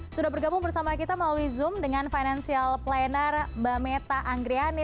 sudah bergabung bersama kita melalui zoom dengan financial planner mbak meta anggriani